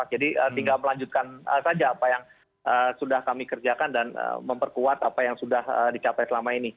jadi tinggal melanjutkan saja apa yang sudah kami kerjakan dan memperkuat apa yang sudah dicapai selama ini